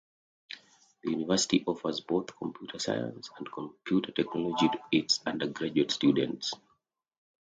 The university offers both computer science and computer technology to its undergraduate students.